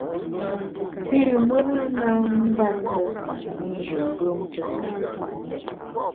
Pü mùra na ngbète njù mbùm ntùndap.